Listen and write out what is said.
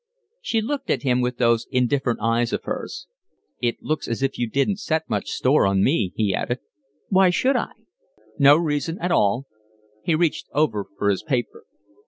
She looked at him with those indifferent eyes of hers. "It looks as if you didn't set much store on me," he added. "Why should I?" "No reason at all." He reached over for his paper.